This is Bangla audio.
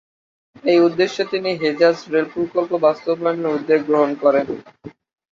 এই উদ্দেশ্যে তিনি হেজাজ রেল প্রকল্প বাস্তবায়নের উদ্যোগ গ্রহণ করেন।